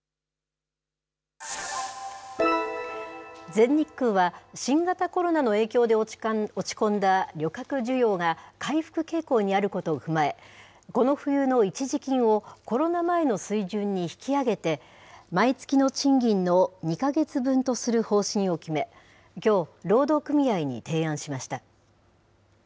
全日空は、新型コロナの影響で落ち込んだ旅客需要が回復傾向にあることを踏まえ、この冬の一時金を、コロナ前の水準に引き上げて、毎月の賃金の２か月分とする方針を決め、きょう、労働組合に提案しました。